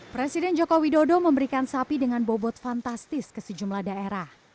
presiden joko widodo memberikan sapi dengan bobot fantastis ke sejumlah daerah